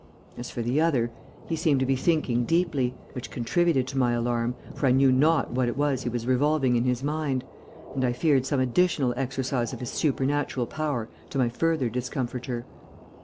As for the other, he seemed to be thinking deeply, which contributed to my alarm, for I knew not what it was he was revolving in his mind, and I feared some additional exercise of his supernatural power to my further discomfiture.